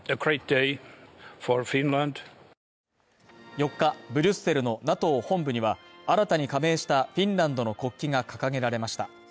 ４日ブリュッセルのＮＡＴＯ本部には新たに加盟したフィンランドの国旗が掲げられました。